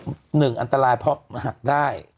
ไม่หรอกหนึ่งอันตรายเพราะหักได้